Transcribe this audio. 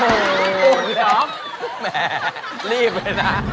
แหมรีบเลยนะ